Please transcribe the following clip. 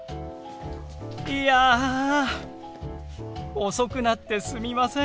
いや遅くなってすみません！